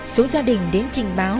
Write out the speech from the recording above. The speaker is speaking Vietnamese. số gia đình đến trình báo